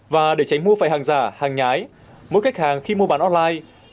và để tránh mua phải hàng giả hàng nhái mỗi khách hàng khi mua bán online